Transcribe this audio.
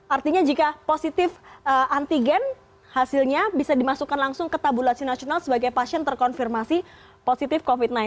artinya jika positif antigen hasilnya bisa dimasukkan langsung ke tabulasi nasional sebagai pasien terkonfirmasi positif covid sembilan belas